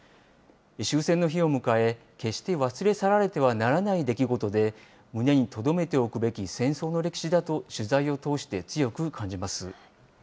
終戦の日を迎え、決して忘れ去られてはならない出来事で、胸にとどめておくべき戦争の歴史だと取材を通して強く感じます。